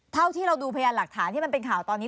เท่าที่เราดูพยานหลักฐานที่มันเป็นข่าวตอนนี้